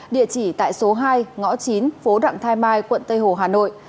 địa chỉ tại số hai ngõ chín phố đặng thái mai quận tây hồ hà nội